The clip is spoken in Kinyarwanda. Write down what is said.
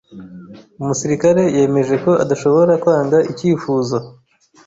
Umusirikare yemeje ko adashobora kwanga icyifuzo.